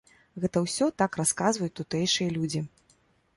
Гэта ўсё так расказваюць тутэйшыя людзі.